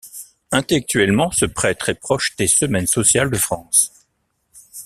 Intellectuellement, ce prêtre est proche des Semaines sociales de France.